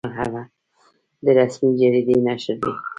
شپږمه مرحله د رسمي جریدې نشر دی.